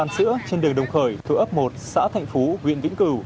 sữa trên đường đồng khởi thủ ấp một xã thành phú huyện vĩnh cửu